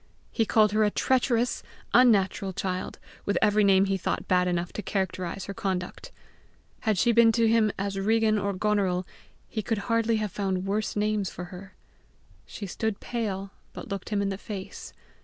He called her a treacherous, unnatural child, with every name he thought bad enough to characterize her conduct. Had she been to him as Began or Goneril, he could hardly have found worse names for her. She stood pale, but looked him in the face.